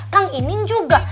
kang inin juga